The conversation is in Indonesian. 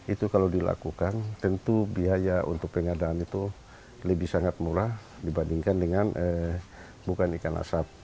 itu kalau dilakukan tentu biaya untuk pengadaan itu lebih sangat murah dibandingkan dengan bukan ikan asap